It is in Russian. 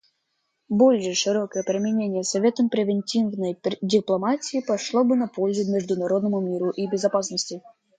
Более широкое применение Советом превентивной дипломатии пошло бы на пользу международному миру и безопасности.